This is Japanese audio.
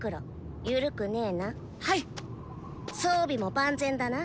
装備も万全だな？